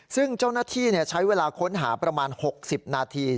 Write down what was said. ซึ่งเจ้าหน้าที่ใช้เวลาค้นหาประมาณ๖๐นาที